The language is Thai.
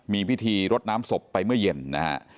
มีพิธีรดน้ำศพไปเมื่อเย็นนะฮะ